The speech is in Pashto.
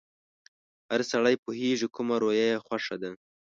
هر سړی پوهېږي کومه رويه يې خوښه ده.